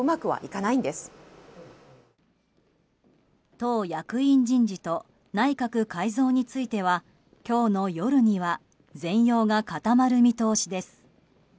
党役員人事と内閣改造については今日の夜には全容が固まる見通しです。